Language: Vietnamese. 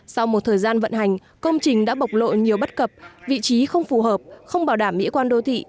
sau một thời gian vận hành công trình đã bộc lộ nhiều bất cập vị trí không phù hợp không bảo đảm mỹ quan đô thị